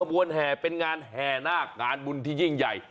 บวนแห่เป็นงานแห่นาคงานบุญที่ยิ่งใหญ่